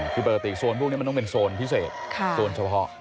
คือปกติโซนพวกนี้มันต้องเป็นโซนพิเศษโซนเฉพาะ